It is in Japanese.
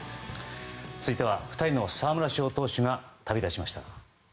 続いては２人の沢村賞投手が旅立ちました。